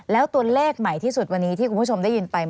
แล้วตัวเลขใหม่ที่สุดวันนี้ที่คุณผู้ชมได้ยินไป